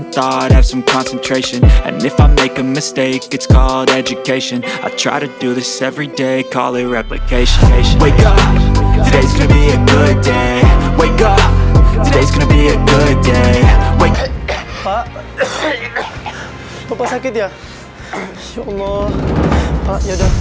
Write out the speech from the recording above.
jadi bapak istirahat dulu